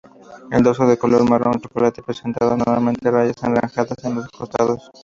El dorso es de color marrón chocolate presentando normalmente rayas anaranjadas en los costados.